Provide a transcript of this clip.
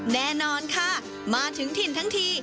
แน่นอนค่ะมาถึงถิ่นทั้งที